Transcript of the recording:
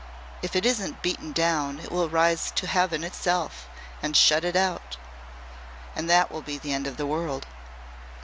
If it isn't beaten down it will rise to heaven itself and shut it out and that will be the end of the world."